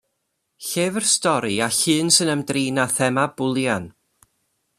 Llyfr stori a llun sy'n ymdrin â thema bwlian.